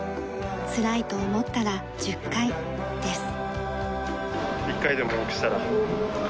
「つらいと思ったら１０回」です。